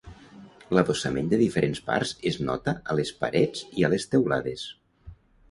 L'adossament de diferents parts es nota a les parets i a les teulades.